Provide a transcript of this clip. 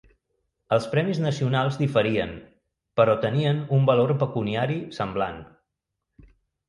Els premis nacionals diferien, però tenien un valor pecuniari semblant.